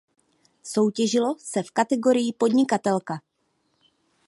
Soutěžilo se v kategorii Podnikatelka.